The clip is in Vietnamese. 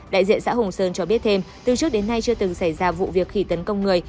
đại diện xã hồng sơn cho biết thêm từ trước đến nay chưa từng xảy ra vụ việc khỉ tấn công người